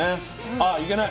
ああいけない。